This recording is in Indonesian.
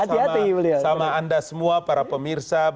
saya mau bilang sama anda semua para pemirsa